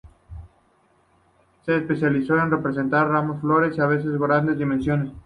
Se especializó en representar ramos de flores, a veces de grandes dimensiones.